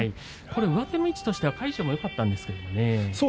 上手の位置としては魁勝もよかったですよね。